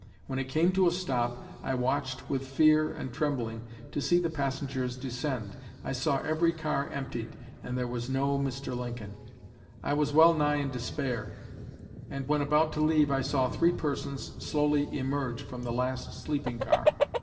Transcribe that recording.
When it came to a stop I watched with fear and trembling to see the passengers descend. I saw every car emptied, and there was no Mr. Lincoln. I was well nigh in despair, and when about to leave I saw three persons slowly emerge from the last sleeping car.